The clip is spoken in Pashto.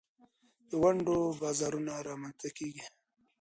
د ونډو بازارونه رامینځ ته کیږي.